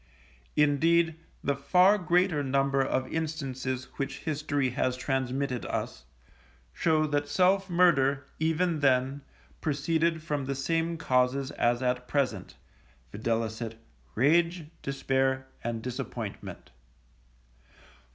Indeed, the far greater number of instances which history has transmitted us, show that self murder, even then, proceeded from the same causes as at present, viz., rage, despair, and disappointment.